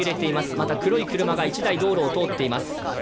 また黒い車が１台道路を通っています。